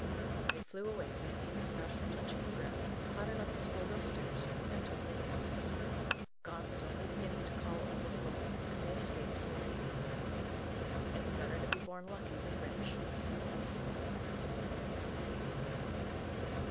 They flew away, their feet scarcely touching the ground, clattered up the schoolroom stairs, and took their places. Gaunt was only beginning to call over the roll, and they escaped the "late" mark. "It's better to be born lucky than rich," said saucy Bywater.